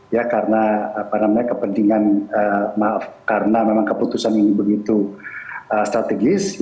ya karena kepentingan maaf karena memang keputusan ini begitu strategis